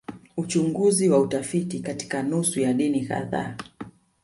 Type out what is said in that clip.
Uchunguzi wa utafiti katika nusu ya dini kadhaa